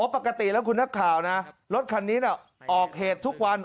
ปกติแล้วคุณนักข่าวนะรถคันนี้ออกเหตุทุกวัน